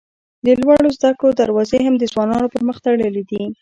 د لوړو زده کړو دروازې هم د ځوانانو پر مخ تړلي دي.